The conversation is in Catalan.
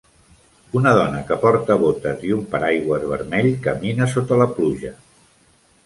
Una dona que porta botes i un paraigües vermell, camina sota la pluja.